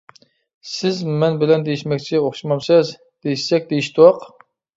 — سىز مەن بىلەن دېيىشمەكچى ئوخشىمامسىز؟ — دېيىشسەك دېيىشتۇق.